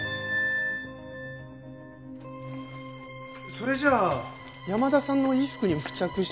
それじゃあ山田さんの衣服に付着していた